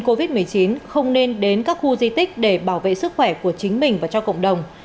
covid một mươi chín không nên đến các khu di tích để bảo vệ sức khỏe của chính mình và cho cộng đồng